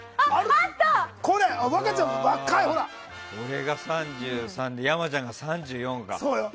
俺が３３で、山ちゃんが３４か。